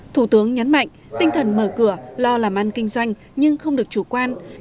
thủ tướng nhấn mạnh tinh thần mở cửa lo làm ăn kinh doanh nhưng không được chủ quan